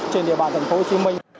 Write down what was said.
trên địa bàn tp hcm